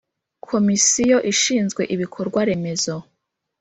Komisiyo ishinzwe Ibikorwa Remezo